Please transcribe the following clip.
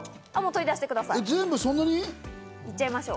取り出してください。